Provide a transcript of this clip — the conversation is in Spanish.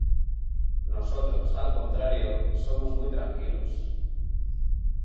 Nosotros, al contrario, somos muy tranquilos.